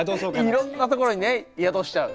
いろんなところにね宿しちゃう。